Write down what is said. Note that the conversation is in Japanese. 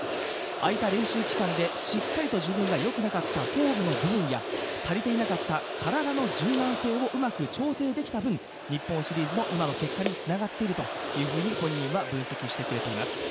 空いた練習期間でしっかりと自分がよくなかったフォームの調整や足りていなかった体の柔軟性を調整できた分、日本シリーズの今の結果につながっているというふうに本人は分析してくれています。